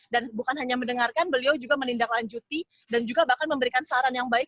bukan hanya mendengarkan beliau juga menindaklanjuti dan juga bahkan memberikan saran yang baik